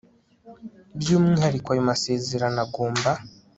by umwihariko ayo masezerano agomba